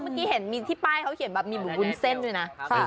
เมื่อกี้เห็นมีที่ป้ายเขาเขียนแบบมีหมูวุ้นเส้นด้วยนะ